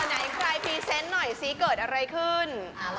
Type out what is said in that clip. ไหนใครพรีเซนต์หน่อยซิเกิดอะไรขึ้น